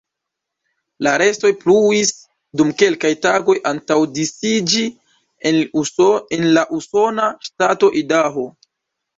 La restoj pluis dum kelkaj tagoj antaŭ disiĝi en la usona ŝtato Idaho.